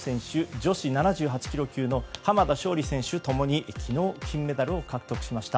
女子７８ｋｇ級の濱田尚里選手共に昨日金メダルを獲得しました。